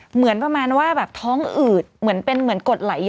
เหมือนประมาณว่าแบบท้องอืดเหมือนเป็นเหมือนกดไหลเยอะ